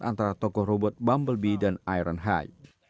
antara tokoh robot bumblebee dan ironhide